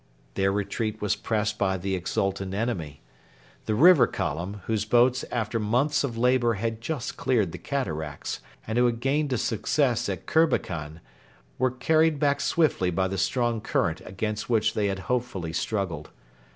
Their retreat was pressed by the exultant enemy. The River Column, whose boats after months of labour had just cleared the Cataracts, and who had gained a success at Kirbekan, were carried back swiftly by the strong current against which they had hopefully struggled.